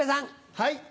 はい。